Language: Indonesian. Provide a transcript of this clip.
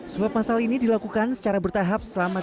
swep masal ini dilakukan secara bertahap selama tiga tahun